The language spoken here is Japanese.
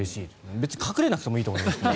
別に隠れなくてもいいと思いますけど。